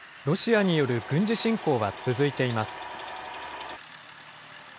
ロシアによる軍事侵攻は続いています。